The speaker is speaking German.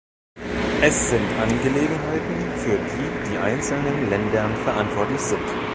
Es sind Angelegenheiten, für die die einzelnen Ländern verantwortlich sind.